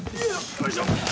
・よいしょ。